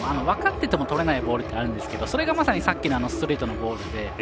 分かっててもとれないボールってあるんですけどそれがまさにさっきのストレートのボールで。